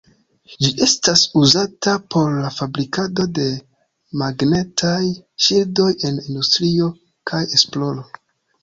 Ĝi estas uzata por la fabrikado de magnetaj ŝildoj en industrio kaj esploro.